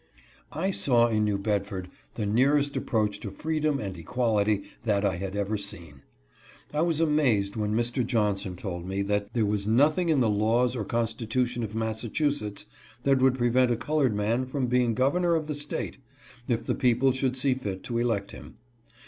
I saw in New Bedford the nearest approach to freedom and equality that I had ever seen. I was amazed when Mr. Johnson told me that there was nothing in the laws or constitution of Massachusetts that would prevent a col ored man from being governor of the State, if the people should see fit to elect him.